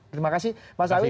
terima kasih mas awi